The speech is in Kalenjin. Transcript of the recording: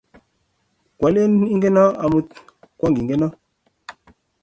Kwaleen igeno amut kongigenoo